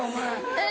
えっ？